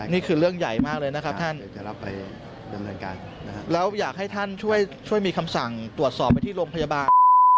นี่คือเรื่องใหญ่มากเลยนะครับท่านแล้วอยากให้ท่านช่วยมีคำสั่งตรวจสอบไปที่โรงพยาบาล